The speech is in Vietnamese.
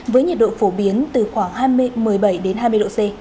với nhiệt độ phổ biến từ khoảng một mươi bảy đến hai mươi độ c